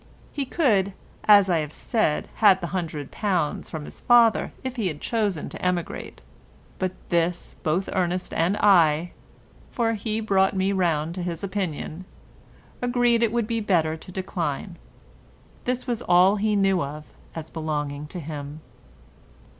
He could, as I have said, have had £100 from his father if he had chosen to emigrate, but this both Ernest and I (for he brought me round to his opinion) agreed it would be better to decline. This was all he knew of as belonging to him.